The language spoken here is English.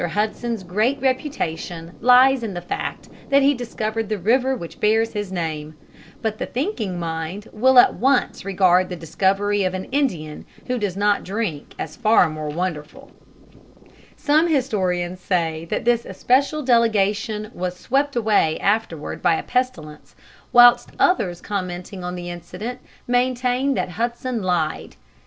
Hudson's great reputation lies in the fact that he discovered the river which bears his name; but the thinking mind will at once regard the discovery of an Indian who does not drink as far more wonderful. [Illustration: DISCOVERY OF TEMPERANCE INDIANS.] Some historians say that this especial delegation was swept away afterward by a pestilence, whilst others commenting on the incident maintain that Hudson lied.